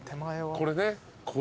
これね。